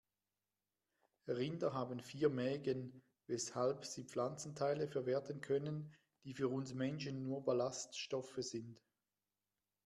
Rinder haben vier Mägen, weshalb sie Pflanzenteile verwerten können, die für uns Menschen nur Ballaststoffe sind.